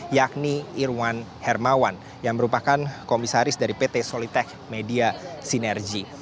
yakni irwan hermawan yang merupakan komisaris dari pt solitech media sinergi